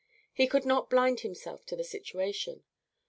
He could not blind himself to the situation.